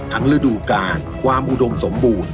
ฤดูกาลความอุดมสมบูรณ์